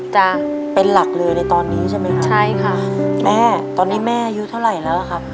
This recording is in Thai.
จะเป็นหลักเลยในตอนนี้ใช่ไหมคะใช่ค่ะแม่ตอนนี้แม่อายุเท่าไหร่แล้วอ่ะครับ